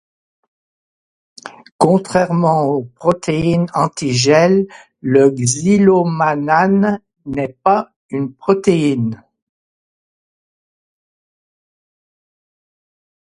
Contrairement aux protéines antigel, le xylomannane n’est pas une protéine.